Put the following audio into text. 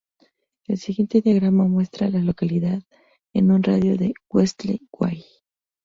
El siguiente diagrama muestra a las Localidad en un radio de de Westlake Village.